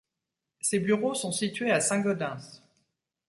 Ses bureaux sont situés à Saint-Gaudens.